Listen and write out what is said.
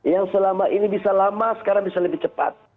yang selama ini bisa lama sekarang bisa lebih cepat